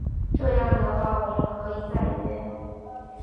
这样的话我们可以再约